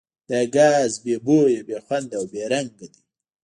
دا ګاز بې بویه، بې خونده او بې رنګه دی.